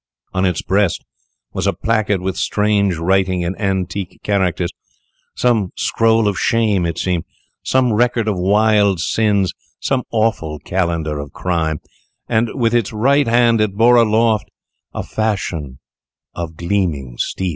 On its breast was a placard with strange writing in antique characters, some scroll of shame it seemed, some record of wild sins, some awful calendar of crime, and, with its right hand, it bore aloft a falchion of gleaming steel.